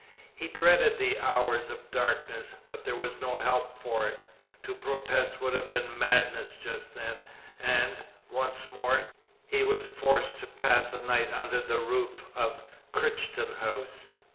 He dreaded the hours of darkness, but there was no help for it to protest would have been madness just then, and, once more, he was forced to pass a night under the roof of Crichton House.